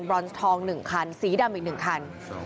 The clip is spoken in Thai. รอนซ์ทอง๑คันสีดำอีก๑คัน